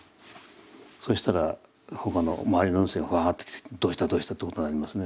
そしたら他の周りの雲水がワーッと来てどうした⁉どうした⁉ってことになりますね。